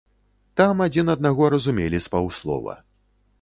Там адзін аднаго разумелі з паўслова.